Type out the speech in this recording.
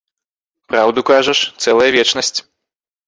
Праўду кажаш, цэлая вечнасць.